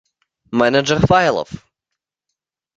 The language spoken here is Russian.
Менеджер файлов